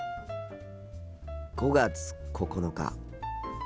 ５月９日。